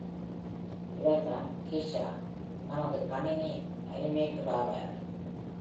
இவர் தான் Kesha, நமது கணினி அனிமேட்டர் ஆவார்.